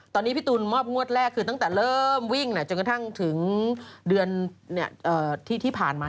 ตอนนี้พี่ตูนมอบงวดแรกคือตั้งแต่เริ่มวิ่งจนกระทั่งถึงเดือนที่ผ่านมา